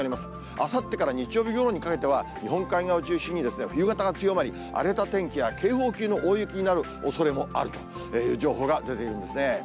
あさってから日曜日ごろにかけては、日本海側を中心に冬型が強まり、荒れた天気や警報級の大雪になるおそれもあるという情報が出ているんですね。